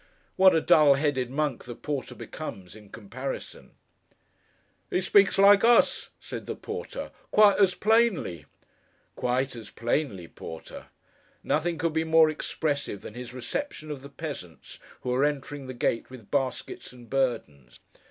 What a dull headed monk the porter becomes in comparison! 'He speaks like us!' says the porter: 'quite as plainly.' Quite as plainly, Porter. Nothing could be more expressive than his reception of the peasants who are entering the gate with baskets and burdens.